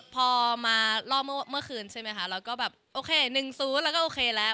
พอมารอเมื่อคืนโอเค๑๐แล้วโอเคแล้ว